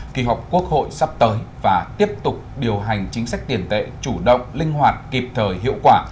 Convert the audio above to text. kỳ họp quốc hội sắp tới và tiếp tục điều hành chính sách tiền tệ chủ động linh hoạt kịp thời hiệu quả